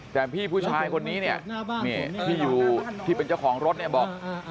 แต่พี่ผู้ชายคนนี้เนี่ยที่อยู่ที่เป็นเจ้าของรถเนี่ยบอก